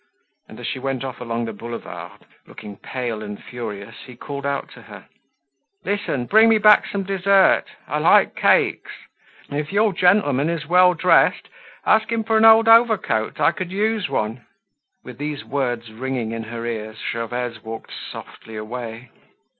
And, as she went off along the Boulevard, looking pale and furious he called out to her: "Listen, bring me back some dessert. I like cakes! And if your gentleman is well dressed, ask him for an old overcoat. I could use one." With these words ringing in her ears, Gervaise walked softly away.